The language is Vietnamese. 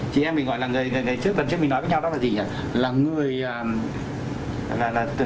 chị em mình gọi là người trước lần trước mình nói với nhau đó là gì hả